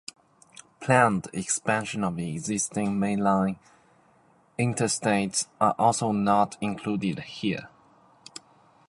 Planned expansion of existing mainline interstates are also not included here.